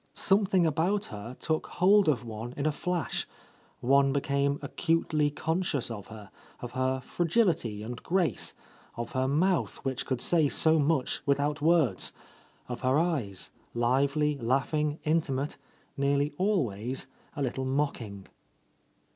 Something about her took hold of one in a flash; one became acutely conscious of her, of her fragility and grace, of her mouth which could say so much without words; of her eyes, lively, laughing, intimate, nearly always a little mocking.